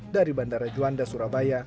dari bandara juanda surabaya